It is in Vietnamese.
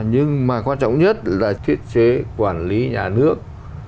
nhưng mà quan trọng nhất là thiết chế quản lý nhà nước